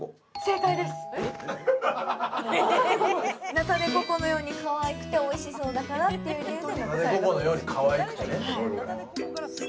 ナタデココのようにかわいくておいしそうだからという理由で。